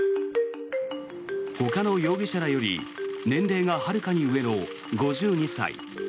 ほかの容疑者らより年齢がはるかに上の５２歳。